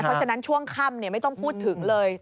เพราะฉะนั้นช่วงค่ำไม่ต้องพูดถึงเลย